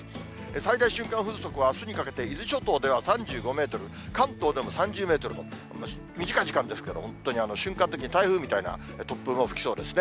最大瞬間風速はあすにかけて、伊豆諸島では３５メートル、関東でも３０メートルと、短い時間ですけど、本当に瞬間的に台風みたいな突風が吹きそうですね。